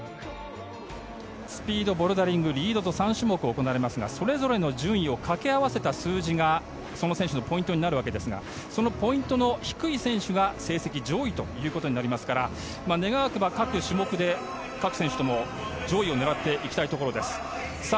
スピード、ボルダリングリードと３種目行われますがそれぞれの数字をかけ合わせた数字がその選手のポイントになるわけですがそのポイントの低い選手が成績上位となりますから願わくば各種目で各選手とも上位を狙っていきたいところです。